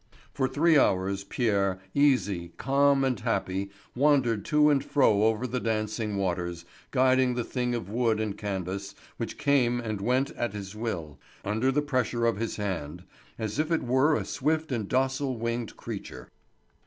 For three hours Pierre, easy, calm, and happy, wandered to and fro over the dancing waters, guiding the thing of wood and canvas, which came and went at his will, under the pressure of his hand, as if it were a swift and docile winged creature.